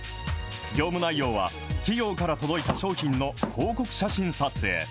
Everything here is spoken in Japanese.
業務内容は、企業から届いた商品の広告写真撮影。